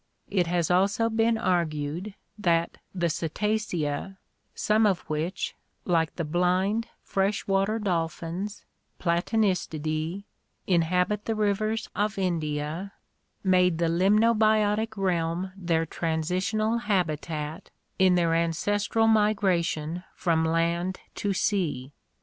It has also been argued that the Cetacea, some of which, like the blind fresh water dolphins (Platanistidae), inhabit the rivers of India, made the limnobiotic realm their transitional habitat in their ancestral migration from 80 ORGANIC EVOLUTION land to sea.